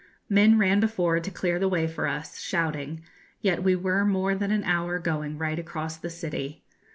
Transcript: Men ran before to clear the way for us, shouting, yet we were more than an hour going right across the city.